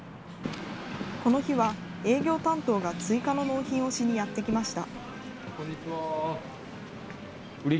この日は、営業担当が追加の納品をしにやって来ました。